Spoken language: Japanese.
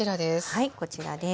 はいこちらです。